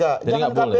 jadi nggak boleh